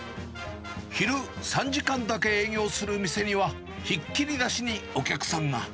昼３時間だけ営業する店には、ひっきりなしにお客さんが。